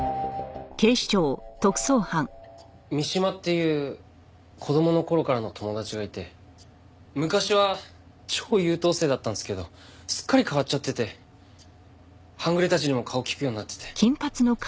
三島っていう子供の頃からの友達がいて昔は超優等生だったんですけどすっかり変わっちゃってて半グレたちにも顔利くようになってて。